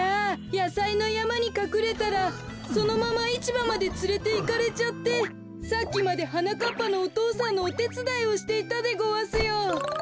やさいのやまにかくれたらそのままいちばまでつれていかれちゃってさっきまではなかっぱのお父さんのおてつだいをしていたでごわすよ。